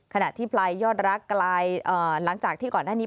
ขณะที่ปลายยอดรักกลายหลังจากที่ก่อนหน้านี้